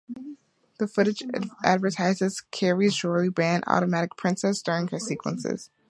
The footage advertises Carey's jewelry brand - "Automatic Princess", during her sequences.